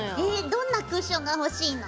どんなクッションが欲しいの？